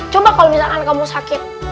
coba kalau misalkan kamu sakit